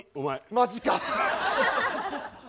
マジか。